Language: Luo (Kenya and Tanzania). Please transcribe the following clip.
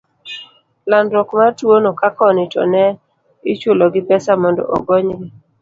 landruok mar tuwono, ka koni to ne ichulogi pesa mondo ogonygi.